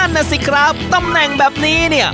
นั่นน่ะสิครับตำแหน่งแบบนี้เนี่ย